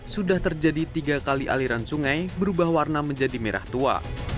sudah terjadi tiga kali aliran sungai berubah warna menjadi merah tua